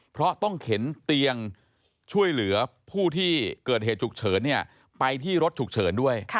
เพราะต้องเข็นเตียงช่วยเหลือผู้ที่เกิดเหตุฉุกเฉินไปที่รถฉุกเฉินด้วย